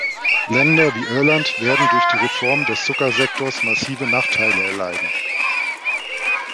Länder wie Irland werden durch die Reform des Zuckersektors massive Nachteile erleiden.